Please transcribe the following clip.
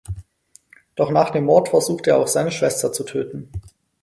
Doch nach dem Mord versucht er auch seine Schwester zu töten.